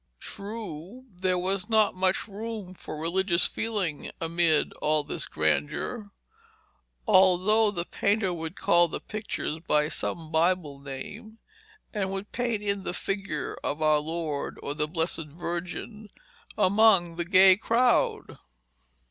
True, there was not much room for religious feeling amid all this grandeur, although the painter would call the pictures by some Bible name and would paint in the figure of our Lord, or the Blessed Virgin, among the gay crowd.